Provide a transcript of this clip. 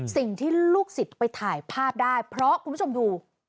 สิ่งที่ลูกศิษย์ไปถ่ายภาพได้เพราะคุณผู้ชมดู